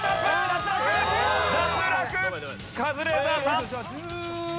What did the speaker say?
カズレーザーさん。